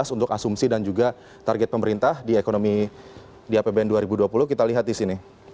untuk asumsi dan juga target pemerintah di apbn dua ribu dua puluh kita lihat disini